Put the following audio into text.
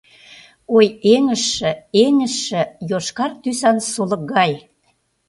Ой, эҥыжше, эҥыжше, йошкар тӱсан солык гай.